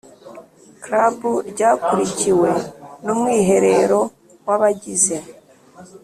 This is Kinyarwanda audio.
Club ryakurikiwe n Umwiherero w Abagize